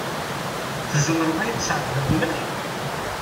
Tzemreḍ ad yi-d-tesɛeddiḍ lmelḥ?